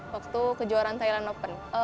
waktu kejuaraan thailand open